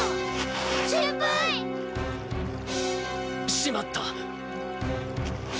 しまった。